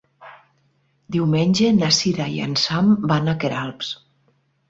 Diumenge na Sira i en Sam van a Queralbs.